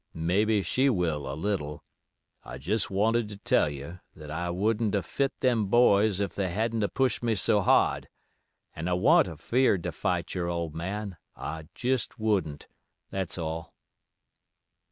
Maybe she will a little. I jist wanted to tell you that I wouldn't a' fit them boys if they hadn't a' pushed me so hard, and I wan't afeared to fight your old man, I jist wouldn't—that's all."